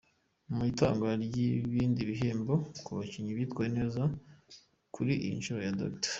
Mu itangwa ry’ibindi bihembo ku bakinnyi bitwaye neza kuir iyi nshuro, Dr.